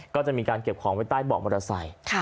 ก็จะมีการเก็บของไว้ใต้เบาะมอเตอร์ไซค์